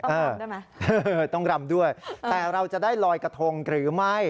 เออเออต้องกรรมด้วยแต่เราจะได้ลอยกระทงหรือไม่